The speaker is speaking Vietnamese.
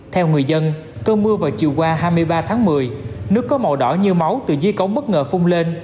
theo người dân cơn mưa vào chiều qua hai mươi ba tháng một mươi nước có màu đỏ như máu từ dưới cống bất ngờ phung lên